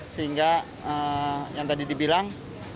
sehingga yang tadi dibilang